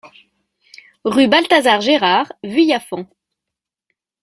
Rue Balthazar Gérard, Vuillafans